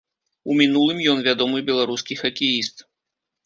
У мінулым ён вядомы беларускі хакеіст.